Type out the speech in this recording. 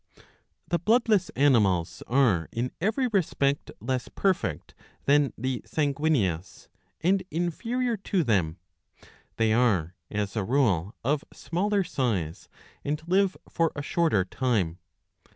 The Bloodless animals are in every respect less perfect than the Sanguineous, and inferior to them. They are, as a rule, of smaller* size, and live for a shorter time.'